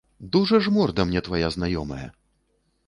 Дужа ж морда мне твая знаёмая!